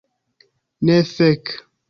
Ne, fek.